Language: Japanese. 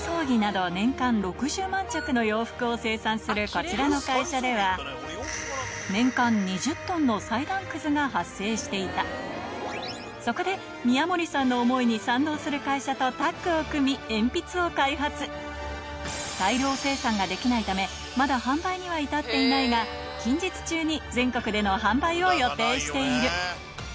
こちらの会社ではそこで宮森さんの思いに賛同する会社とタッグを組み鉛筆を開発大量生産ができないためまだ販売には至っていないがいや素晴らしい！